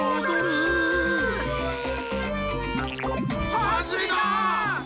はずれだ！